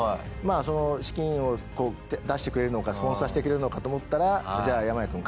その資金を出してくれるのかスポンサーしてくれるのかと思ったら。